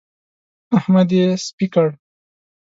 احمد يې سپي کړ.